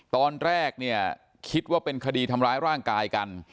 ตอนแรกเนี่ยคิดว่าเป็นคดีทำร้ายร่างกายกัน